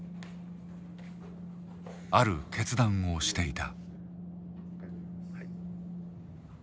ある決断をしていた。